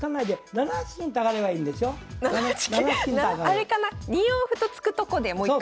７八金あれかな２四歩と突くとこでもう一回。